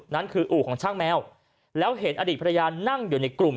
นั่นคืออู่ของช่างแมวแล้วเห็นอดีตภรรยานั่งอยู่ในกลุ่ม